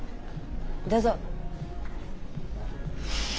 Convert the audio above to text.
どうぞ。